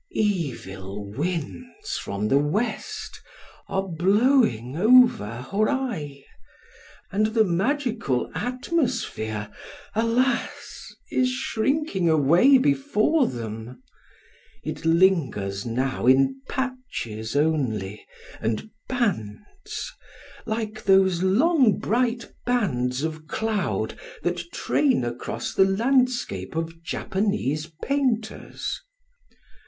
—Evil winds from the West are blowing over Hōrai; and the magical atmosphere, alas! is shrinking away before them. It lingers now in patches only, and bands,—like those long bright bands of cloud that train across the landscapes of Japanese painters.